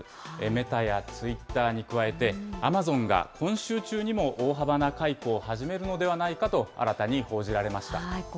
メタやツイッターに加えてアマゾンが今週中にも大幅な解雇を始めるのではないかと新たに報じられました。